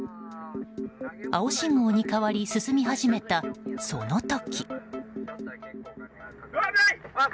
青信号に変わり進み始めたその時。